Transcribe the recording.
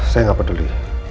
saya nggak peduli